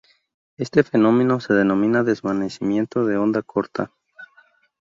Este fenómeno se denomina desvanecimiento de onda corta.